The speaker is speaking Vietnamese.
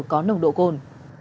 có nồng độ cồn